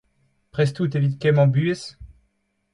Prest out evit kemmañ buhez ?